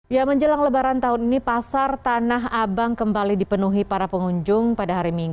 ya menjelang lebaran tahun ini pasar tanah abang kembali dipenuhi para pengunjung pada hari minggu